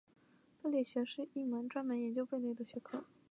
贝类学是一门专门研究贝类的学科。